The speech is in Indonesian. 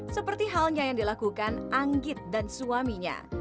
seperti halnya yang dilakukan anggit dan suaminya